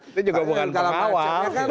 itu juga bukan pengawal